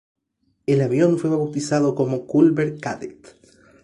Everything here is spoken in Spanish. El avión fue bautizado como Culver Cadet.